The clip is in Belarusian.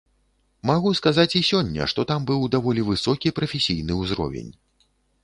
Магу сказаць і сёння, што там быў даволі высокі прафесійны ўзровень.